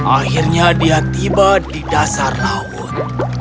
akhirnya dia tiba di dasar laut